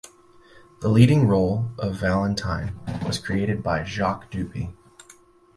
The leading role of Valentin was created by Jacques Duby.